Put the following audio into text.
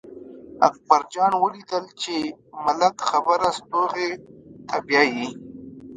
اکبر جان ولیدل چې ملک خبره ستوغې ته بیايي.